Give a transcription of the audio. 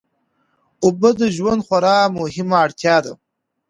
اوبه د ژوند خورا مهمه اړتیا ده.